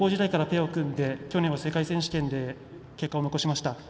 高校時代からペアを組んで去年は世界選手権で結果を残しました。